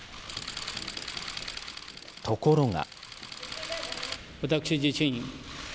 ところが。